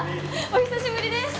お久しぶりです！